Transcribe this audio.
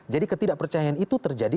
jadi ketidakpercayaan itu terjadi